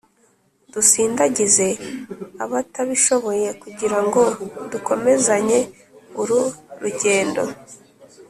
dusindagize abatabishoboye kugira ngo dukomezanye uru rugendo